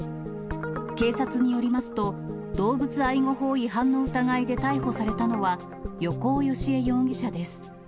警察によりますと、動物愛護法違反の疑いで逮捕されたのは、横尾恵枝容疑者です。